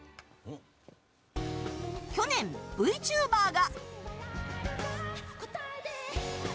去年、ＶＴｕｂｅｒが。